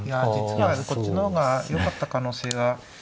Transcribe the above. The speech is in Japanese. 実はこっちの方がよかった可能性が。